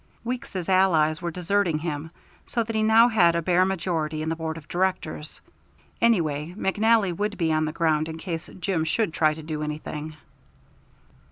Weeks's allies were deserting him, so that he now had a bare majority in the Board of Directors. Anyway, McNally would be on the ground in case Jim should try to do anything.